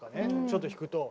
ちょっと弾くと。